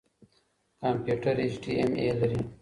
کمپيوټر اېچ ډياېم آى لري.